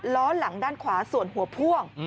ล้อหลังด้านขวาส่วนหัวพ่วง